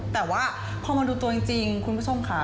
แต่ว่าพอมาดูตัวจริงคุณผู้ชมค่ะ